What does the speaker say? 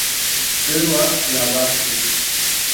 Pedro A. Labarthe.